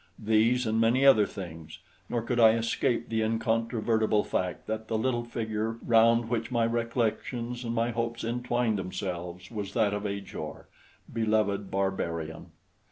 These and many other things, nor could I escape the incontrovertible fact that the little figure round which my recollections and my hopes entwined themselves was that of Ajor beloved barbarian!